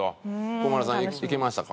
彦摩呂さんいけましたか？